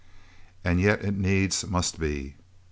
And yet it needs must be!